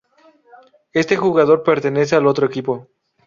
Este jugador pertenece al otro equipo.